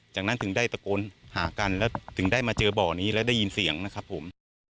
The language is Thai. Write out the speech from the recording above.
จากนั้นถึงได้ตะโกนหากันแล้วถึงได้มาเจอบ่อนี้แล้วได้ยินเสียงนะครับผม